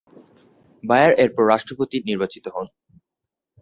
Buyer এরপর রাষ্ট্রপতি নির্বাচিত হন।